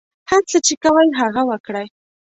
هر څه چې کوئ هغه وکړئ.